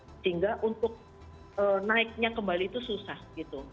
sehingga untuk naiknya kembali itu susah gitu